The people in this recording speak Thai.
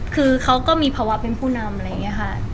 คือเขาก็มีภาวะเป็นผู้นำอะไรอย่างนี้ค่ะ